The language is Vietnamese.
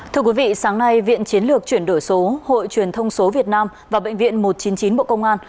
thưa quý vị sáng nay viện chiến lược chuyển đổi số hội truyền thông số việt nam và bệnh viện một trăm chín mươi chín bộ công an